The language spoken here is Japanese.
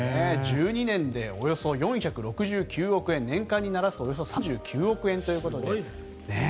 １２年でおよそ４６９億円年間にならすとおよそ３９億円ということで。